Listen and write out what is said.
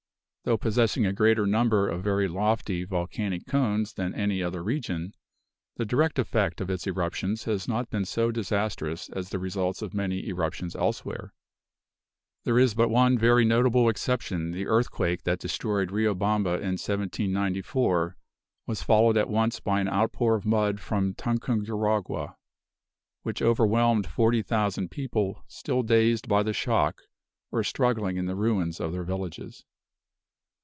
Though possessing a greater number of very lofty volcanic cones than any other region, the direct effect of its eruptions have not been so disastrous as the results of many eruptions elsewhere. There is but one very notable exception; the earthquake that destroyed Riobamba in 1794 was followed at once by an outpour of mud from Tunguragua, which overwhelmed forty thousand people, still dazed by the shock, or struggling in the ruins of their villages.